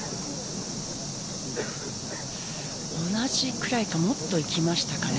同じくらいかもっといきましたかね。